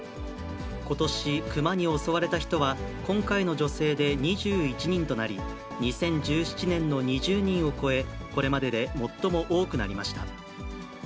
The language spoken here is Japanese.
ことし、熊に襲われた人は、今回の女性で２１人となり、２０１７年の２０人を超え、これまでで最も多くなりました。